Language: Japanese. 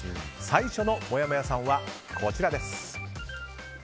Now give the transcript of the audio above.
最初のもやもやさんはこちらです。